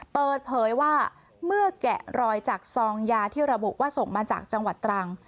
เปิดเผยว่าเมื่อแกะรอยจากซองยาที่ระบุว่าส่งมาจากจังหวัดตรัง